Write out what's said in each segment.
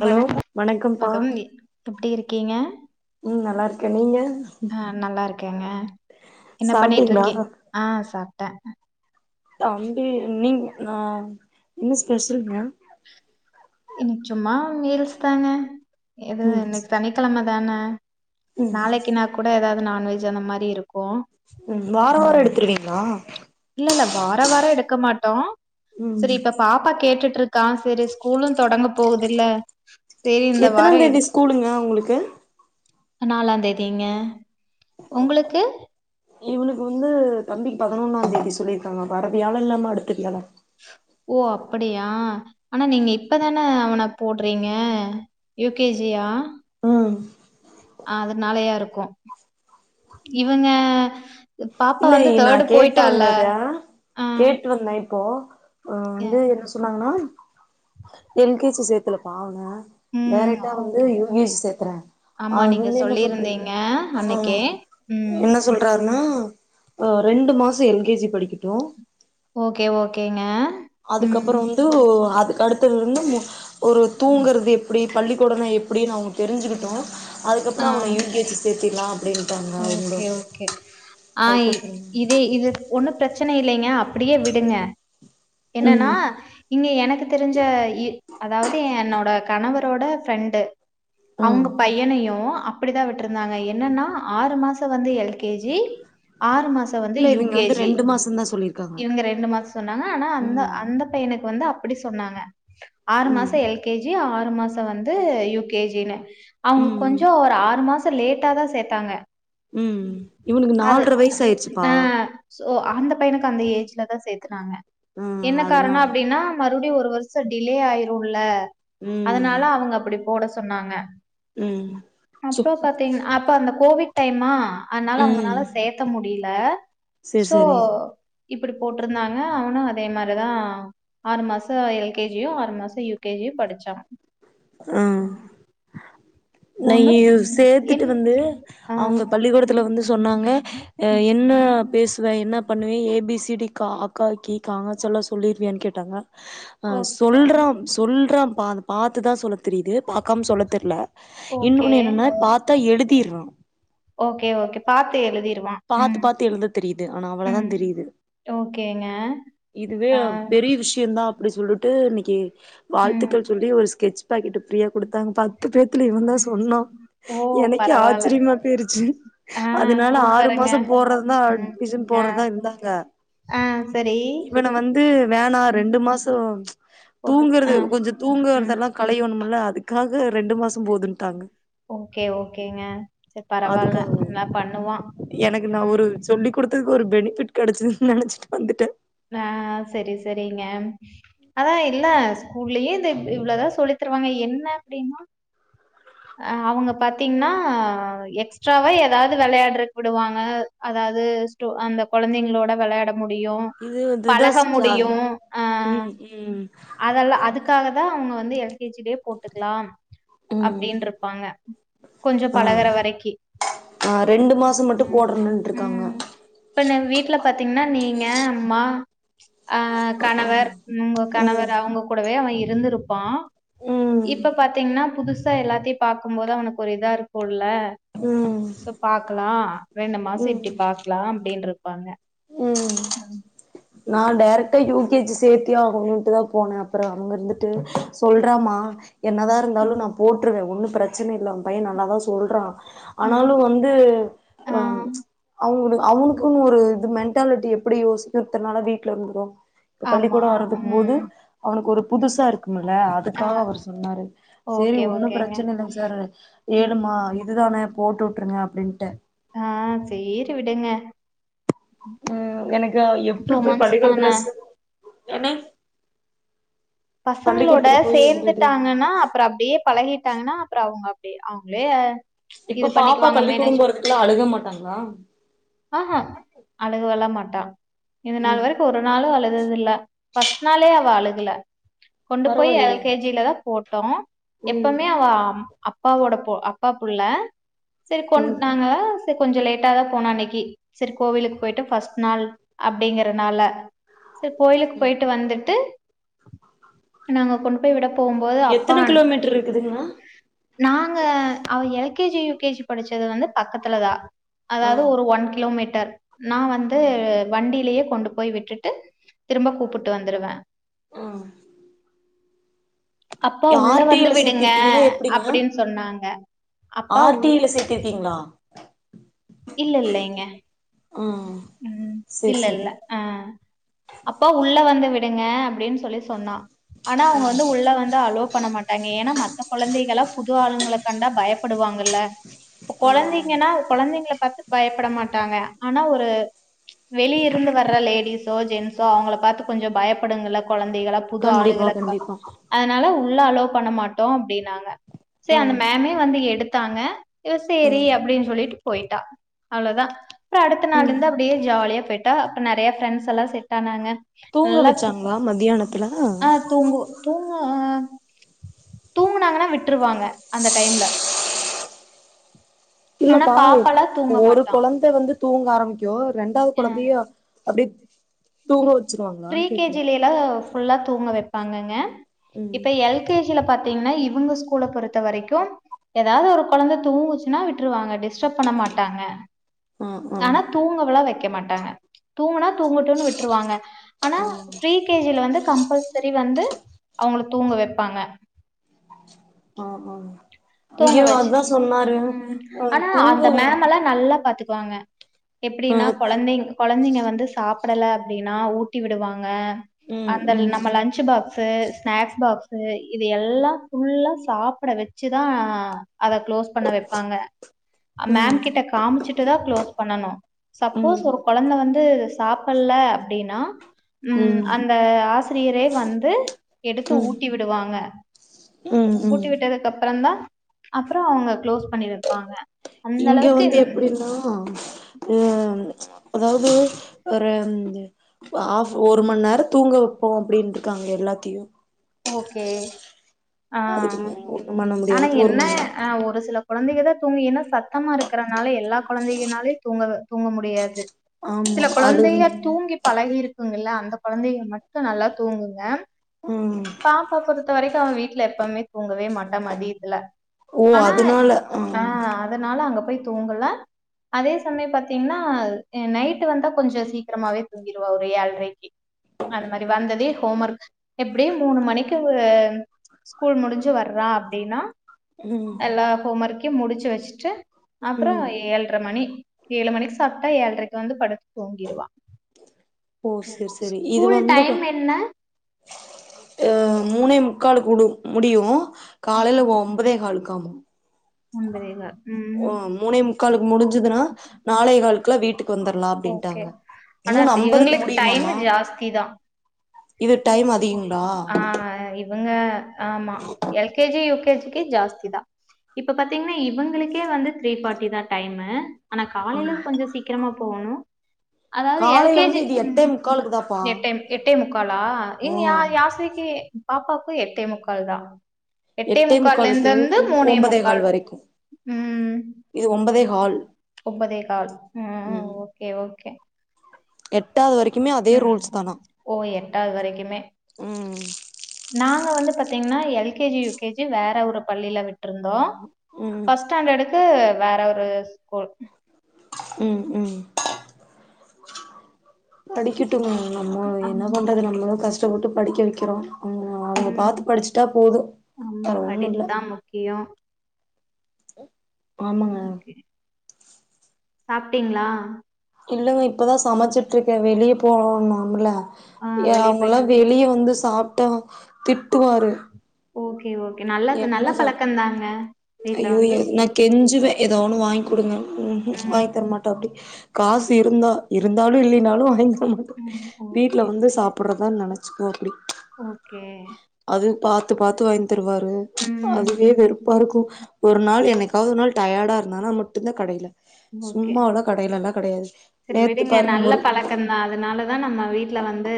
Hello வணக்கம் வணக்கம்ப்பா வணக்கம் எப்டி இருக்கீங்க ம் நல்லா இருக்கே நீங்க ஆ நல்லாருக்கேங்க என்ன சாப்ட்டீங்களா பண்ணிட்ருக்கி ஆ சாப்ட தம்பி ஈவ்னிங் நா என்ன ஸ்பெஷல்ங்க இன்னிக் சும்மா மீல்ஸ் தாங்க எது ம் இன்னிக் சனி கெழமதான ம் ம் நாளைக்கின்னா கூட எதாது நான்வெஜ் அந்தமாரி இருக்கு ம் வாரோ வாரோ எடுத்துருவீங்ளா இல்லல்ல வாரோ வாரோ எடுக்க மாட்டோ ம் செரி இப்ப பாப் பா கேட்டுட்ருக்கா செரி ஸ்கூலு தொடங்க போகுதுல்ல சரி இந்த வாரோ எத்தனாந் தேதி எடு ஸ்கூலுங்க அவுங்களுக்கு நாலாந்தேதிங்க ஒங்குளுக்கு இவுனுக்கு வந்து தம்பிக்கு பதினொன்னாந் தேதி சொல்லிருக்காங்க வர வியாழன் இல்லாமா அடுத்த வியாழன் ஓ அப்படியா ஆனா நீங்க இப்பதான அவன போட்றீங்க யு கே ஜியா ஆ அதனாலாயாருக்கு இவுங்க இல்லயே நா கேட்டு வந்தத ஆ கேட்டு வந்த இப்போ அ எ வந்து என்ன சொன்னாங்கன்னா எல் கே சி சேத்துல பாவோங்க ம் டைரக்ட்டா வந்து ஓகே யு கே சி சேத்தற ஆமா அவுரு நீங்க வந்து என்ன சொல்றது சொல்லியிருந்தீங்க ஆ அன்னைக்கே ம் என்ன சொல்றாருன்னா ஆ ரெண்டு மாசோ எல் கே ஜி படிக்கிட்டு ஓகே ஓகேங்க அதுக்கப்புறோ ம் வந்து அதுக்கடுத்துல்ருந்து ஒரு தூங்குறது எப்டி பள்ளிக்கூடோனா எப்டின் அவுங்ளுக் தெரிஞ்சிகிட்டு ஆ அதுக்கப்புறோ அவன யூ கே ஜி சேத்திற்லா அப்டின்டாங்க அவுங்குளு ஓகே அதுக்கப்பறோ ஏ இது ஒன்னு ப்ரச்சன இல்லைங்க அப்டியே விடுங்க என்னன்னா ம் இங்க எனக்கு தெரிஞ்ச இ அதாவ்து என்னோட கணவரோட ஃப்ரெண்டு ம் அவுங்க பையனையு அப்புடிதாவிட்ருந்தாங்க என்னன்னா ஆறு மாசோ வந்து எல் கே ஜி ஆறு மாசோ வந்து இல்ல யூ இவிங்க கே வந்து ஜி ரெண்டு மாசந்தா சொல்லிருக்காங்க இவுங்க ரெண்டு மாசோ சொன்னாங்க ஆனா அந்த ம் அந்த பையனுக் வந்து அப்படி சொன்னாங்க ஆறு மாசோ ம் எல் கே ஜி ஆறு மாசோ வந்து யூ கே ஜினு அவுங்க ம் ம் கொஞ்சோ ஒரு ஆ மாசோ லேட்டாதா சேத்தாங்க ம் இவனுக்கு அது நால்ர வயசு ஆயிருச்சுப்பா ஆ சோ அந்த பையனுக்கு அந்த ஏஜ்லதா சேத்துனாங்க ம் என்ன காரணோ அதனால அப்டினா மறுபுடியு ஒரு வருசோ டிலே ஆய்ருல்ல ம் அதனால அவுங்க அப்படி போட சொன்னாங்க ம் சு அப்றோ பாத்தீங் அப்ப அந்த கோவிட் டைமா அதனால ம் அவங்கனால சேத்த முடில சேரி சோ சேரி இப்டி போட்ருந்தாங்க அவனு அதே மாரிதா ஆறு மாசோ எல் கே ஜியு ஆறு மாசோ யு கே ஜியும படிச்சாங் ம் ஒன்னு நையு சேத்துட்டு என் வந்து ஆ அவுங்க பள்ளிக்கூடத்துல வந்து சொன்னாங்க ம். என்ன பேசுவ என்ன பண்ணுவே ஏ பி சி டி கா அக்கா கி காங்காச்சல்லா சொல்லிருவியானு கேட்டாங்க அ ஓ சொல்றாம் சொல்றான்பா பாத்துதா சொல்ல தெரிது பா க்காம சொல்ல தெர்ல ஓகே இன்னொன்னு என்னனா பாத்தா எழுத தெர்ல ஓகே ஓகே பாத்து எழுதிருவான் பாத்து பாத்து எழுத தெரிது ஆனா அவ்ளதான் தெரிது ஓகே இதுவே பெரிய விஷ்யந்தா அப்டி சொல்லுட்டு இன்னைக்கு ம் வாழ்த்துக்கள் சொல்லி ஒரு ஸ்கெட்ச் பாக்கெட் ஃப்ரீயா குடுத்தாங்க பத்து பேத்துல இவன்தான் சொன்னா ஓ எனக்கு பரவால்ல ஆச்சரியமா போயிருச்சு ஆ அதனால ஆறு சூப்பருங்க மாசோ போடறதா ம் அட்மிஷன் ஆ போடறதா இருந்தாங்க ஆ சரி இவன வந் து வேணா ரெண்டு மாசோ போட்டு தூங்கறது ஆ கொஞ்சோ ம் தூங்கறதெல்லா கலையணோமல்ல அதுக்காக ரெண்டு மாசோ போதுன்ட்டாங்க ஓகே ஓகேங்க இப்ப இப்ப பரவால அதுக்காக என்னா பண்ணுவான் எனக்கு நா ஒரு சொல்லி் குடுத்ததுக்கு ஒரு பெனிஃபிட் கெடைச்சுதுன்னு நெனைச்சிட்டு வந்துட்ட அ சரி சரிங்க அதா இல்ல ஸ்கூல்லயே இவ்ளதா சொல்லி தருவாங்க என்ன அப்டினா அ அவுங்க பாத்தீங்னா எக்ஸ்ட்ராவா எதாவது வெளையாடறக்கு விடுவாங்க அதாவது ஸ்டோ அந்த கொழந்தைங்களோட வெளாட முடியு இது வந்துதா பழக ஸ்டார் முடியு ஆ ம் ம் அதெல்லா அதுக்காகதா அவுங்க வந்து எல் கே ஜிலயே போட்டுக்கலா ம் அப்டின்றுப்பாங்க கொஞ்சோ பழகற வரைக்கி அ ரெண்டு மாசம் மட்டு ம் போடறன்ட்டு இருக்காங்க ம் இப்ப நம் வீட்ல பாத்தீங்னா நீங்க அம்மா அ கணவர் உங்க ம் கணவர் அவுங்க கூடவே அவன் இருந்திருப்பா ம் இப்ப பாத்தீங்னா புதுசா எல்லாத்தையு பாக்கும்போது அவனுக்கு ஒரு இதா இருக்குல்ல ம் சோ பாக்லா ரெண்டு மாசோ ம் இப்டி பாக்கலா அப்டின்றுப்பாங்க ம் நா டைரெக்டா யு கே ஜி சேத்தியே ஆகணுன்ட்டுதா போன அப்றோ அங்கருந்துட்டு சொல்றமா என்னதா இருந்தாலு நா போட்டுருவ ஒன்னு பிரச்சன இல்ல உன் பையன் நல்லாதா சொல்றான் ம் ஆனாலு வந்து அ ஆ அவுங் அவனுக்குனு ஒரு இது மென்டாலிட்டி எப்டி யோசி இத்தன நாளா வீட்ல இருந்தோம் இப்ப ஆமா பள்ளிக்கூடோ வர்றதுக்கும்போது ம் அவனுக்கு ஒரு புதுசா இருக்குமல்ல ஆ அதுக்காக அவர் சொன்னாரு சேரி ஓகே ஒன்னு ஓகேங்க பிரச்சன இல்லைங்க சார் ம். ஏழுமா இதுதானே போட்டு விட்டுருங்க அப்டின்ட்ட அ சேரி விடுங்க ம் எனக்கு டூ எப்டி போய் மந்த்ஸ் தான பள்ளிக்கூடத்துல ஸ் என்னங் பசங்களோட சேர்ந்துட்டாங்னா அப்பறம் அப்டியே பழகிட்டாங்கன்னா அப்பறம் அவுங்க அப்டியே அவுங்களே இப்ப பாப்பா பள்ளிக்கூடம் போறதுக்கெல்லாம் அழுக மாட்டாங்களா ஆஹா அழுகல மாட்டா இதநாள் ம் வரை ஒரு நாளும் அழுததில்ல ஃபஸ்ட் நாளே அவ அழுகல கொண்டு போய் எல் பரவாயில்லையே கே ஜில தான் போட்டோம் ம் எப்பமே அவ அப்பாவோட அப்பா புள்ள சரி கொ ம் நாங்க சேர் கொஞ்சோ லேட்டா தான் போனா இன்னைக்கி சரி கோவிலுக்கு போயிட்டு ஃபர்ஸ்ட் நாள் அப்டிங்கறனால செரி கோயிலுக்கு போய்ட்டு வந்துட்டு நாங்க கொண்டு போய் விட போகும்போது அப்பா அ கேக்குதுங்களா நாங்க அவ L K G U K G படிச்சது வந்து பக்கத்துல தான் அதாவது ம் ஒரு ஒன் கிலோமீட்டர் நான் வந்து ம் வண்டியிலேயே கொண்டு போய் விட்டு ட்டு திரும்ப கூப்புட்டு வந்துடுவேன் ஆ அப்பா உள்ள வந்து ல விடுங்க சேத்திருக்கீங்களா எப்டிங்க அப்டின்னு சொன்னாங்க அப்பா ஆர் டி உள் ல சேத்திருக்கீங்களா இல்ல இல்லைங்க ம் ம் சேரி இல்ல சேரி இல்ல ஆ அப்பா உள்ள வந்து விடுங்க அப்டின்னு சொல்லி சொன்னா ஆனா அவுங்க வந்து உள்ள வந் தா அலோ பண்ண மாட்டாங்க ஏன்னா மத்த குழந்தைகளா புது ஆளுங்கள கண்டா பயப்படுவாங்கல்ல இப்ப ஆமா கொழந்தைங்கன்னா கொழந்தைங்கள பார்த்து பயப்பட மாட்டாங்க ஆனா ஒரு வெளிய இருந்து வர்ற லேடிஸோ ஜென்ஸோ அவங்கள பார்த்து கொஞ்சம் பயப்படுங்கல கொழந்தைகளா புது கண்டிப்பா ஆளுங்கல பாத் கண்டிப்பா அதனால உள்ள அளோ பண்ண மாட்டோம் அப்டின்னாங்க ஆ சேர் அந்த மேம்மே வந்து எடுத்தாங்க இவ சேரி ம் அப்டின்னு சொல்லிட்டு போய்ட்டா அவ்ளோதான் அப்பற அடுத்த நாள் ம் இருந்து அப்டியே ஜாலியா போயிட்டா அப்பறம் நறைய ஃப்ரெண்ட்ஸ் எல்லாம் செட் ஆனாங்க தூங்க நல்லா வச்சாங்களா பேசும் மத்தியானத்துல ஆ தூங்கு தூங்கு தூங்குனாங்கன்னா விட்ருவாங்க அந்த டைம்ல ஆனா இல்லப்பா பாப்பாலா தூங்க ஒரு மாட்டா. கொழந்தை வந்து தூங்க ஆரம்பிக்கும் ரெண்டாவது கொழந்தையும் அப்டே பி ரீ கே ஜ்ல்லைலா ஃபுல்லா தூங்க வைப்பாங்கங்க ம் இப்ப எல் கே ஜி ல பாத்தீங்கன்னா இவங்க ஸ்கூல பொறுத்த வரைக்கும் ஏதாவது ஒரு கொழந்தை தூங்குச்சுன்னா விட்டுருவாங்க டிஸ்டர்ப் பண்ண மாட்டாங்க ம் ம் ஆனா தூங்கலாம் வைக்க மாட்டாங்க தூங்கனா தூங்கட்டும்ன்னு விட் டுருவாங்க ஆனா ம் ப்ரீக் கே ஜில வந்து கம்பல்சரி வந்து அவங்கள தூங்க வைப்பாங்க ஆம்மாம்மா தூங்க வச்சு ம் ஆ ஆனா தூங்க அந்த வ மேம் எல்லாம் நல்லா பாத்து குவாங்க ஆ எப்டின்னா கொழந்தைங்க கொழந்தைங்க வந்து சாப்பிடல அப்டின்னா ஊட்டி விடுவாங்க ம் அந்த ம் நம்ம lunch box box snacks box இது எல்லாம் ஃபுல்லா சாப்பிட வச்சுதான் அத க்ளோஸ் பண்ண வைப்பாங்க ம் மேம் ம் கிட்ட காமிச்சுட்டுதான் க்ளோஸ் பண்ணனும் சப்போஸ் ம் ஒரு கொழந்தை வந்து சாப்பல்ல அப்டின்னா ம் அந்த ஆசிரியரே வந்து எடுத்து ஊட்டி விடுவாங்க ம் ம் அப்பறம் தான் அப்பறோ அவங்க க்ளோஸ் பண்ணி வைப்பாங்க இங்க வந்து எப்டின்னா ஆ அதாது ஆஃப் ஒரு மண் நேரம் தூங்க வெப்போம் அப்படின்னு இருக்காங்க எல்லாத்தியும் ஓகே ஆ அதுக்கு மேல ஒண்ணு பண்ண ஆனா முடியாது ஒரு என்ன மண் நேரோ ஆ ஒரு சில கொழந்தைங்க தான் தூங்கி ஏன்னா சத்தமா இருக்கறனால எல்லா கொழந்தைங்கனாலையும் தூங்க தூங்க முடியாது சில ஆமா அழுகு கொழந்தைங்க தூங்கி பழகி இருக்குங்கல்ல அந்த குழந்தைங்க மட்டும் நல்லா தூங்குங்க ம் பாப்பா பொறுத்த வரைக்கும் அவ வீட்ல எப்பமே தூங்கவே மாட்டா மதியதுல ஓ ஆனா அதனால ஆ அதனால அங்க போய் தூங்கல அதே சமயம் பாத்தீங்கன்னா நைட்டு வந்தா கொஞ்சம் சீக்கிரமாவே தூங்கிடுவா ஒரு ஏழ்ரைக்கி அத மாரி வந்தது ஹோம் ஒர்க் எப்டியும் மூணு மணிக்கு ஸ்கூல் முடிச்சு வர்றா அப்டின்னா ம் எல்லா ஹோம் ஒர்க்கையும் முடிச்சு வச்சுட்டு அப்புறம் ம் ஏழர மணி ஏழு மணிக்கு சாப்பிட்டா ஏழரைக்கு வந்து படுத்து தூங்கிடுவான் ஓ செரி ஸ்கூல் டைம் என்ன அஹ் மூணே முக்காலுக்கு முடியும் காலைல ஒ ம்பதேகாளுக்காமும் ஒன்பதேகால் மூணே முக்காலுக்கு முடிஞ்சுதுன்னா நாளை காலுக்குல்லாம் வீட்டுக்கு வந்துரலாம் ஓகே அப்படின்ட்டாங்க ஆனா மூணு ஐம்பதுக்கு இவங்களுக்கு டைம் முடியுமாமா ஜாஸ்தி தா இது டைம் அதிகங்ளா ஆ இவங்க ஆமா எல்கேஜி யுகேஜி க்கே ஜாஸ்தி தான் இப்ப பாத்தீங்கன்னா இவங்களுக்கே வந்து த்ரீ ஃபாட்டி தான் டைமு ஆனா காலைல கொஞ்ஜொம் சீக்கிரமா போவணும் அதாது எல் கே காலைல ஜி வந்து இது எட்டே முக்காலுக்கு தாப்பா எட்ட எட்டை முக் லா இன்யா ம் லாஸ்ட் விக்கே பாப்பாக்கு எட்டே முக்கால் தா எட்டே முக்கால்லேந்துந்து மூனே ஒம்பதே முக்கால் கால் வரைக்கு ம் இது ஒம்பதே கால் ஒம்பதே காழ் ம் ஓகே ஓகே எட்டாவது வரைக்குமே அதே ம் ரூல்ஸ் தானா ஓ எட்டாவது வரைக்குமே ம் நாங்க வந்து பாத்தீங்ன்னா L K G U K G வேற ஒரு பள்ளில விட்ருந்தோ பஸ் ம் பஸ்ட் ஸ்டாண்டடுக்கு வேற ஒரு ஸ்கூல் ம் ம் படிக்கிட் [unintelligible] என்னா பண்றது நம்மளும் கஷ்டப்பட்டு படிக்க வெக்கிறோம் அவங்க அவங்க ம் பாத்து படிச்சுட்டா போது வேற ஒன்னு இல்ல முக்கியோம் ஆமாங்க சாப்ட்டீங்ளா இல்லங்க இப்பதா சமைச்சிட்ருக்க வெளிய போனோநாமல ஆ எ வெளியே அவங்கல்லா போயிட்டு வெளிய வந்து சாப்ட்டா திட்டுவாரு ஓகே ஓகே நல்ல என்ன நல்ல சாப் பழக்கம்தாங்க வீட்ல ஐயோ வந்து எனநா கெஞ்சுவேன் ஏதோன்னு வாங்கி் குடுங்கனு ம் ம் வாங்கி தரமாட்டாப்டி காசு இருந்தா இருந்தாலு இல்லினாலு வாங்கி தரமா ம் வீட்ல ஓகே வந்து சாப்படுறதா நெனைச்சுக்குவாப்டி ஓகே அது பாத்து பாத்து வாங்கி தருவார் ரு ம் அதுவே வெறுப்பா இருக்கு ஒரு நாள் என்னைக்காவது ஒரு நாள் டயர்டா இருந்தா மட்டுதா கடைல சும்மால்லா கடைல லா கெடையாது செரி நேத்து விடுங்க பாருங்க நல்ல முரு பழக்கந்தா அதனாலதா நம்ம வீட்ல வந்து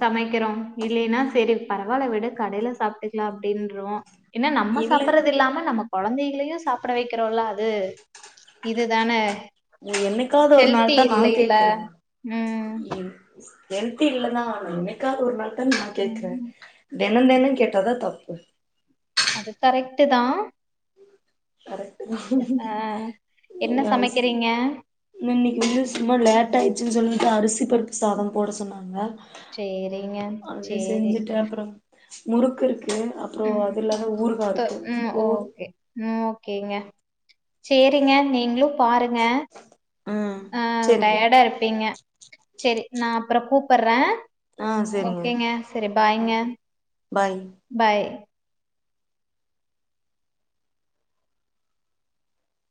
சமைக்கிறோ இல்லின்னா சேரி பரவால விடு கடைல சாப்ட்டுக்கலா அப்டின்ருவோ ஏன்னா நம்ம இல்ல சாப்பறதில்லாம நமக் கொழந்தைகளையு சாப்ட வைக்கிறோல அது இதுதான என்னைக்காது ஒரு நாள் தா நா கேக்கற ம். என் ஹெல்தில்லதா என்னைக்காது ஒரு நாள் தா நா கேக்கற தென தென கேட்டாதா தப்பு அது கரெக்ட்டு தா கரெக்ட்டு தா ஆ என்ன சமைக்கிறீங்க நின்னிக்கு வந்து சும்மா லேட் ஆயிர்ச்சுனு சொல்லிட்டு அரிசி பருப்பு சாதம் போட சொன்னாங்க சேரிங்க. அதைய சேரி. செஞ்சுட்டு அப்புறம் முறுக்கு இருக்கு அப்றோ ம். அது இல்லாம ஊறுகா தொ இருக்கு ம் போது ஓகே. ம் ஓகேங்க சேரிங்க நீங்களு பாருங்க ம் ஆ செரிங்க டயர்டா இருப்பீங்க சேரி நா அப்பறோ கூப்பர்றே ஆ செரிங்க ஓகேங்க சேரி பாய்ங்க ஓகே பாய் பாய்